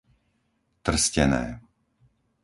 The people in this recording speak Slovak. Trstené